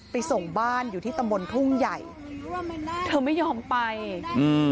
ส่งบ้านอยู่ที่ตำบลทุ่งใหญ่เธอไม่ยอมไปอืม